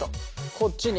こっちに。